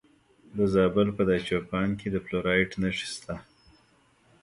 د زابل په دایچوپان کې د فلورایټ نښې شته.